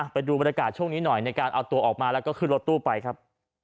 ไปดูบรรยากาศช่วงนี้หน่อยในการเอาตัวออกมาแล้วก็ขึ้นรถตู้ไปครับ